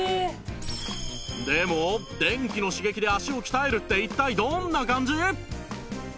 でも電気の刺激で足を鍛えるって一体どんな感じ？